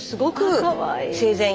あかわいい。